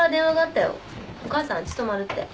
お母さんあっち泊まるって。